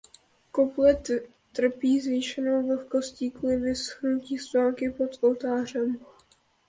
Kaple trpí zvýšenou vlhkostí kvůli výskytu studánky pod oltářem.